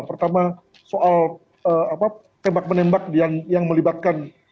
pertama soal tembak menembak yang melibatkan